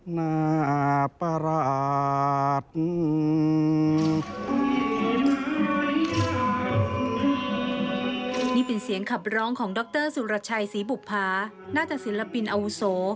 นี่เป็นเสียงขับร้องของดรสุรชัยศรีบุภาน่าจะศิลปินอาวุโส